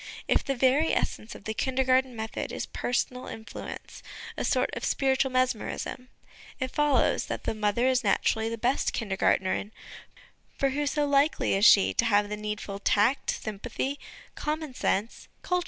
If the very essence of the Kindergarten method is personal influence, a sort of spiritual mesmerism, it follows that the mother is naturally the best Kindergartnerin ; for who so likely as she to have the needful tact, sympathy, common sense, culture?